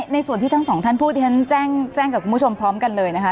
ในส่วนที่ทั้งสองท่านพูดที่ฉันแจ้งกับคุณผู้ชมพร้อมกันเลยนะคะ